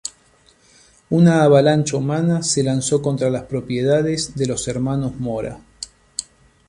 Una avalancha humana se lanzó contra las propiedades de los hermanos Mora.